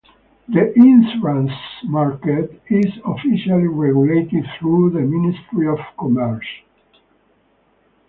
The insurance market is officially regulated through the Ministry of Commerce.